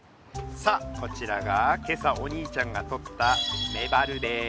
さあこちらが今朝お兄ちゃんがとったメバルです。